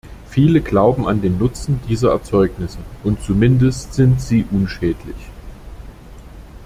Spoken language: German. Viele glauben an den Nutzen dieser Erzeugnisse, und zumindest sind sie unschädlich.